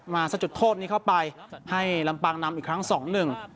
สะจุดโทษนี้เข้าไปให้ลำปางนำอีกครั้งสองหนึ่ง